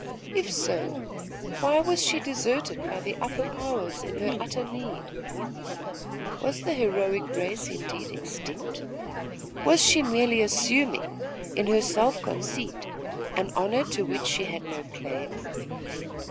If so, why was she deserted by the upper powers in her utter need? Was the heroic race indeed extinct? Was she merely assuming, in her self conceit, an honour to which she had no claim?